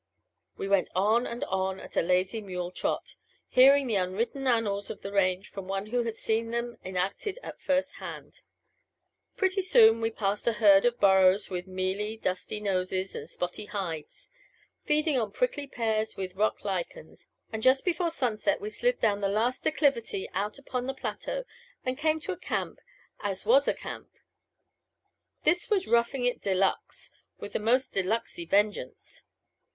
We went on and on at a lazy mule trot, hearing the unwritten annals of the range from one who had seen them enacted at first hand. Pretty soon we passed a herd of burros with mealy, dusty noses and spotty hides, feeding on prickly pears and rock lichens; and just before sunset we slid down the last declivity out upon the plateau and came to a camp as was a camp! This was roughing it de luxe with a most de luxey vengeance!